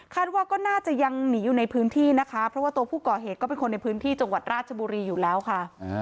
ว่าก็น่าจะยังหนีอยู่ในพื้นที่นะคะเพราะว่าตัวผู้ก่อเหตุก็เป็นคนในพื้นที่จังหวัดราชบุรีอยู่แล้วค่ะ